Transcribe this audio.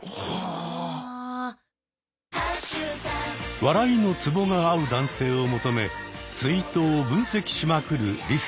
笑いのツボが合う男性を求めツイートを分析しまくるリス子さん。